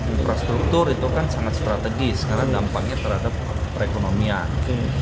infrastruktur itu kan sangat strategis karena dampaknya terhadap perekonomian